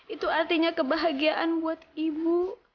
itu artinya kebahagiaan buat ibu